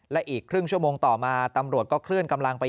และอีกครึ่งชั่วโมงต่อมาตำรวจก็เคลื่อนกำลังไป